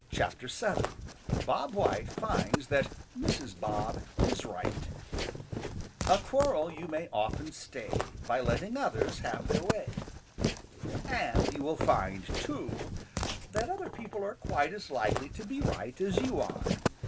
VII. BOB WHITE FINDS THAT MRS. BOB IS RIGHT ````A quarrel you may often stay ````By letting others have their way.= |AND you will find, too, that other people are quite as likely to be right as you are.